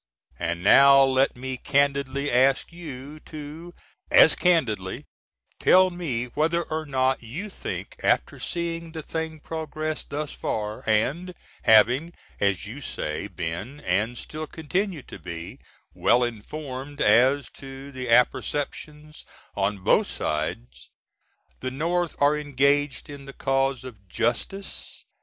And now let me candidly ask you to as candidly tell me whether or not you think after seeing the thing progress thus far, and having, as you say, been, & still continue to be, well informed as to apper^ns on both sides, the North are engaged in the cause of "Justice."